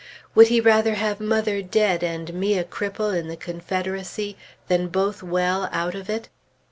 Would he rather have mother dead and me a cripple, in the Confederacy, than both well, out of it?